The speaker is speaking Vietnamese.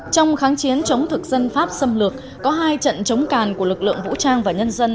trong kháng chiến chống thực dân pháp xâm lược có hai trận chống càn của lực lượng vũ trang và nhân dân